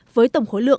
với tổng khối lượng